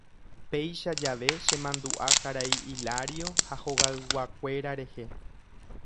Péicha jave chemandu'a karai Hilario ha hogayguakuéra rehe.